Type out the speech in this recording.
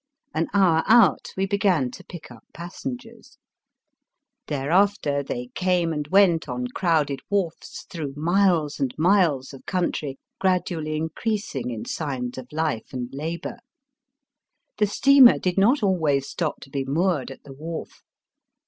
An hour out, we began to pick up passengers. There after they came and went on crowded wharfs through miles and miles of country gradually increasing in signs of life and labour. The steamer did not always stop to be moored at the wharf.